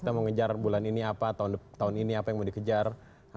kita mau ngejar bulan ini apa tahun ini apa yang mau dikejar